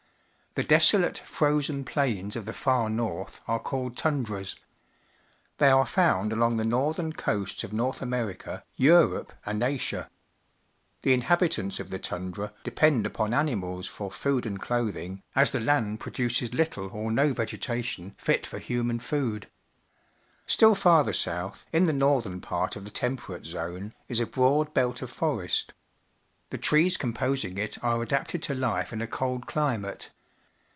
The de.soIate, frozen plains of the far north are called tundras. They are found along the northern coasts of North .\merica, Europe, and Asia. The inhabitants of the tundra depend upon animals for food and A Camp on the Margin of a Spruce Forest, Yukon Territory clothing, as the land produces little or no vegetation fit for human food. Still farther south, in the northern part of the Temperate Zone, is a broad belt of forest. The t rees composing it are adapted to life in a cold climate.